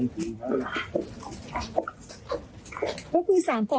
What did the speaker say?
ก็เรื่องจริงค่ะ